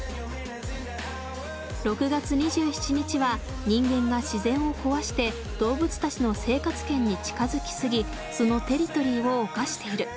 ６月２７日は人間が自然を壊して動物たちの生活圏に近づき過ぎそのテリトリーを侵している。